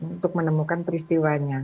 untuk menemukan peristiwanya